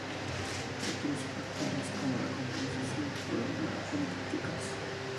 Otros factores como la composición fueron blanco de críticas.